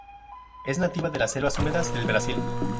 Es nativa de las selvas húmedas del Brasil.